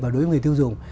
và đối với người tiêu dùng